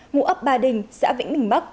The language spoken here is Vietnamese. ngụ ấp ba đình xã vĩnh bình bắc